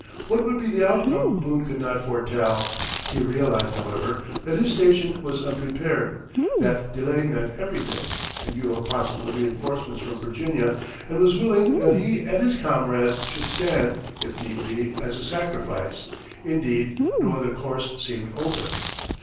What would be the outcome Boone could not foretell. He realized, however, that his station was unprepared, that delay meant everything, in view of possible reenforcements from Virginia, and was willing that he and his comrades should stand, if need be, as a sacrifice indeed, no other course seemed open.